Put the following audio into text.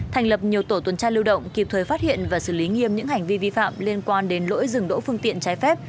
thành lập nhiều tổ tuần tra lưu động kịp thời phát hiện và xử lý nghiêm những hành vi vi phạm liên quan đến lỗi dừng đỗ phương tiện trái phép